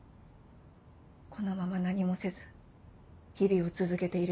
このまま何もせず日々を続けていれば。